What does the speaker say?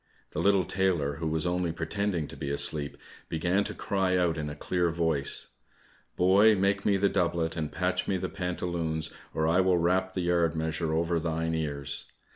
The little tailor, who was only pretending to be asleep, began to cry out in a clear voice, "Boy, make me the doublet and patch me the pantaloons, or I will rap the yard measure over thine ears.